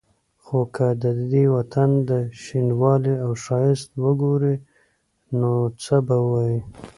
خو که د دې وطن شینوالی او ښایست وګوري نو څه به وايي.